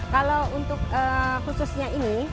kalau untuk khususnya ini